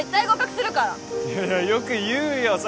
よく言うよ。